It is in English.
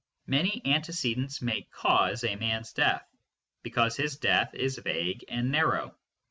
Many antecedents may " cause " a man s death, because his death is vague and narrow.